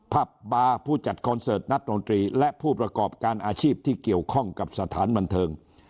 ภาพบาร์ผู้จัดคอนเสิร์ตนักดนตรีและผู้ประกอบการอาชีพที่เกี่ยวข้องกับสถานบันเทิง